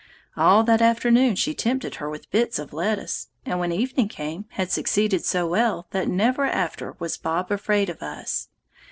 All that afternoon she tempted her with bits of lettuce, and when evening came, had succeeded so well that never after was Bob afraid of us.